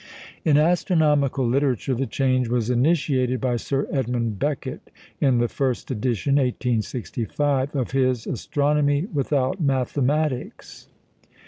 In astronomical literature the change was initiated by Sir Edmund Beckett in the first edition (1865) of his Astronomy without Mathematics.